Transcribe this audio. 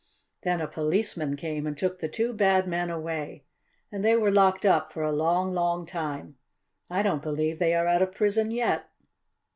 Then a policeman came and took the two bad men away and they were locked up for a long, long time. I don't believe they are out of prison yet.